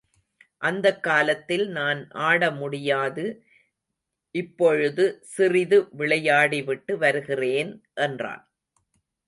அந்தக் காலத்தில் நான் ஆடமுடியாது இப்பொழுது சிறிது விளையாடி விட்டு வருகிறேன் என்றான்.